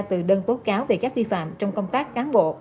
từ đơn tố cáo về các vi phạm trong công tác cán bộ